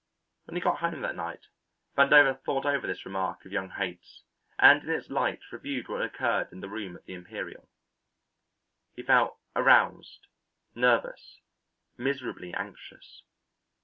When he got home that night Vandover thought over this remark of young Haight's and in its light reviewed what had occurred in the room at the Imperial. He felt aroused, nervous, miserably anxious.